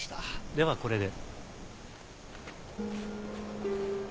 ではこれで。